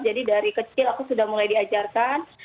dari kecil aku sudah mulai diajarkan